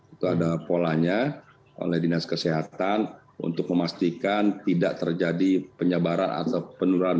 itu ada polanya oleh dinas kesehatan untuk memastikan tidak terjadi penyebaran atau penurunan